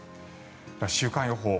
では、週間予報。